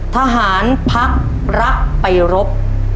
ทหารพักรักไปรบ